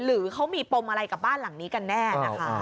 หรือเขามีปมอะไรกับบ้านหลังนี้กันแน่นะคะ